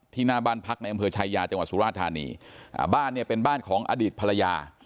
หน้าบ้านพักในอำเภอชายาจังหวัดสุราธานีอ่าบ้านเนี่ยเป็นบ้านของอดีตภรรยา